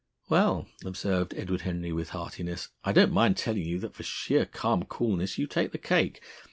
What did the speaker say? "Well," observed Edward Henry with heartiness, "I don't mind telling you that for sheer calm coolness you take the cake.